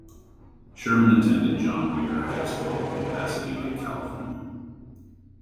Sherman attended John Muir High School in Pasadena, California.